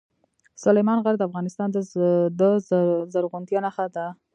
سلیمان غر د افغانستان د زرغونتیا نښه ده.